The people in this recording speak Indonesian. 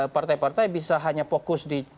partai partai bisa hanya fokus di